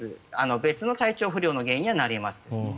別の体調不良の原因にはなりますね。